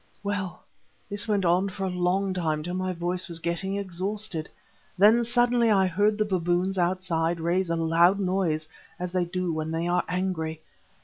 "Well, this went on for a long time till my voice was getting exhausted. Then suddenly I heard the baboons outside raise a loud noise, as they do when they are angry.